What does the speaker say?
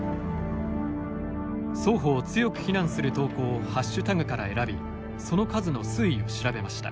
双方を強く非難する投稿をハッシュタグから選びその数の推移を調べました。